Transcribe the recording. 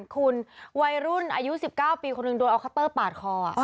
คุณวัยรุ่นอายุ๑๙ปีคนหนึ่งโดนเอาคัตเตอร์ปาดคอ